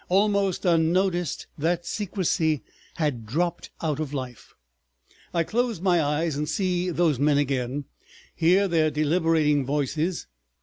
Almost unnoticed, that secrecy had dropped out of life. I close my eyes and see those men again, hear their deliberating voices.